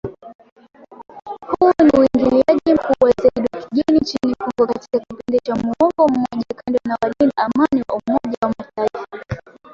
Huu ni uingiliaji mkubwa zaidi wa kigeni nchini Kongo katika kipindi cha muongo mmoja kando na walinda Amani wa Umoja wa mataifa